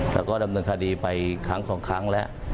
แล้วก็ดำเนินคดีไปครั้งสองครั้งแล้ว